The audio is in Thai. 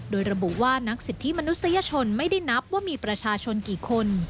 โดยระบุว่านักสิทธิมนุษยชนไม่ได้นับว่ามีประชาชนกี่คน